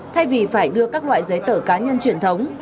thay vì phải đưa các loại giấy tờ cá nhân truyền thống